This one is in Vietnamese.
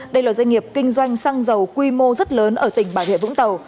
đây là doanh nghiệp kinh doanh xăng dầu quy mô rất lớn ở tỉnh bà rịa vũng tàu